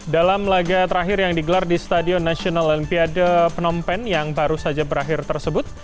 dalam laga terakhir yang digelar di stadion national olympiade phnom penh yang baru saja berakhir tersebut